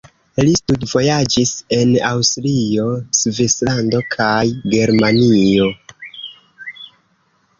Li studvojaĝis en Aŭstrio, Svislando kaj Germanio.